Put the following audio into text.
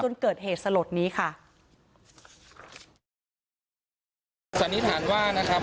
เกิดเหตุสลดนี้ค่ะสันนิษฐานว่านะครับ